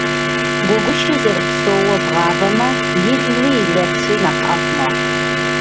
Гуэгушыр зэрыпсоуэ бгъавэмэ, илри и лэпсри нэхъ ӏэфӏ мэхъу.